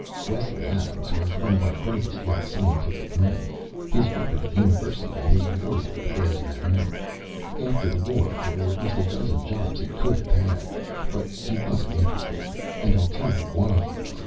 "Wesley Adams was one of our brightest young scientific men. His record at the university and his war work bears that out. After the war, there were at least a dozen jobs he could have had. But he wasn't interested. And I'll tell you why he wasn't.